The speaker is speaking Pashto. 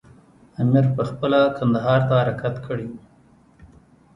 امیر پخپله کندهار ته حرکت کړی وو.